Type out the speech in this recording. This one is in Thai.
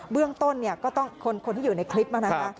เบื้องต้นคนที่อยู่ในคลิปมานะคะ